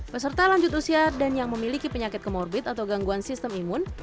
peserta lanjut usia dan yang memiliki penyakit komorbit atau gangguan sistem imun